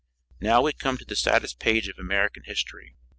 Now we come to the saddest page of American history.